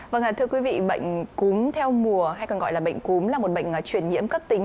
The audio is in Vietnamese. vâng ạ thưa quý vị bệnh cúm theo mùa hay còn gọi là bệnh cúm là một bệnh truyền nhiễm cấp tính